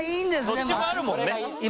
どっちもあるもんね。